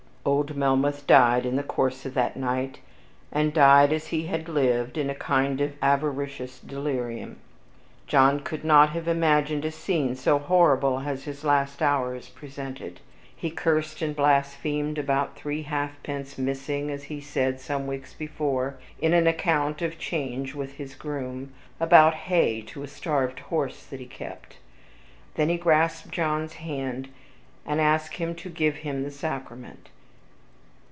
Old Melmoth died in the course of that night, and died as he had lived, in a kind of avaricious delirium. John could not have imagined a scene so horrible as his last hours presented. He cursed and blasphemed about three halfpence, missing, as he said, some weeks before, in an account of change with his groom, about hay to a starved horse that he kept. Then he grasped John's hand, and asked him to give him the sacrament.